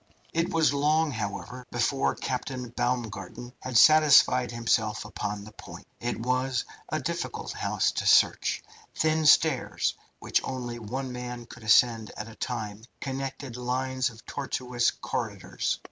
It was long, however, before Captain Baumgarten had satisfied himself upon the point. It was a difficult house to search. Thin stairs, which only one man could ascend at a time, connected lines of tortuous corridors.